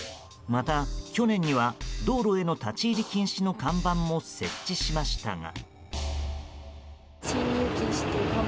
また去年には、道路への立ち入り禁止の看板も設置しましたが。